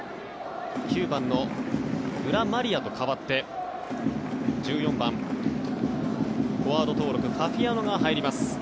９番のグラマリアと代わって１４番、フォワード登録ファヒアノが入ります。